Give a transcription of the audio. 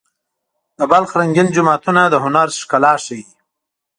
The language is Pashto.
د بلخ رنګین جوماتونه د هنر ښکلا ښيي.